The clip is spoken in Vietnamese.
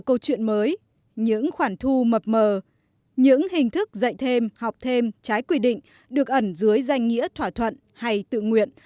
câu chuyện mới những khoản thu mập mờ những hình thức dạy thêm học thêm trái quy định được ẩn dưới danh nghĩa thỏa thuận hay tự nguyện